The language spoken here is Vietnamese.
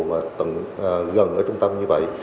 mà gần ở trung tâm như vậy